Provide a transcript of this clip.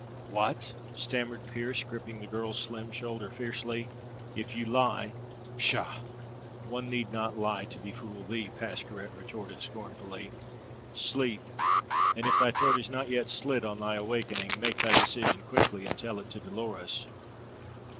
"What?" stammered Pearse, gripping the girl's slim shoulder fiercely. "If you lie " "Pshaw! One need not lie to befool thee!" Pascherette retorted scornfully. "Sleep, and if thy throat is not yet slit on thy awakening, make thy decision quickly, and tell it to Dolores."